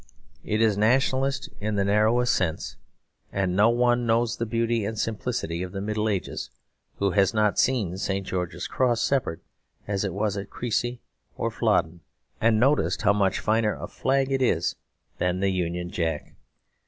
It is nationalist in the narrowest sense; and no one knows the beauty and simplicity of the Middle Ages who has not seen St. George's Cross separate, as it was at Creçy or Flodden, and noticed how much finer a flag it is than the Union Jack.